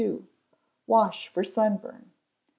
Wash for Sunburn.